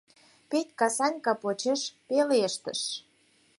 — Петька Санька почеш пелештыш.